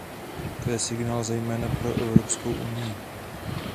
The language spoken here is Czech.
To je signál zejména pro Evropskou unii.